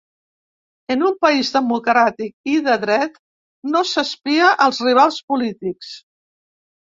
En un país democràtic i de dret no s’espia als rivals polítics.